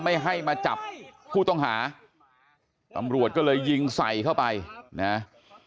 ไม่ให้มาจับผู้ต้องหาตำรวจก็เลยยิงใส่เข้าไปนะ